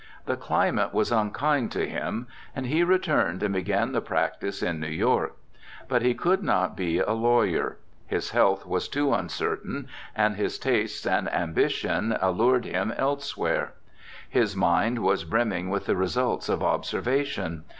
The climate was unkind to him, and he returned and began the practice in New York. But he could not be a lawyer. His health was too uncertain, and his tastes and ambition allured him elsewhere. His mind was brimming with the results of observation.